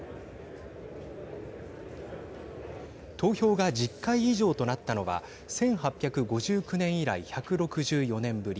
投票が１０回以上となったのは１８５９年以来、１６４年ぶり。